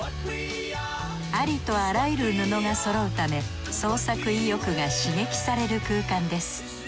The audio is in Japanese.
ありとあらゆる布がそろうため創作意欲が刺激される空間です。